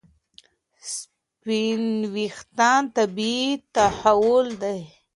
سپین وریښتان طبیعي تحول دی.